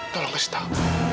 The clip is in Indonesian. tolong kasih tau